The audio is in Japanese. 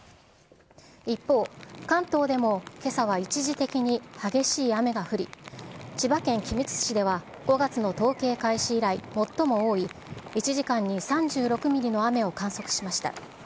一方、関東でもけさは一時的に激しい雨が降り、千葉県君津市では、５月の統計開始以来最も多い、１時間に３６ミリの雨を観測しました。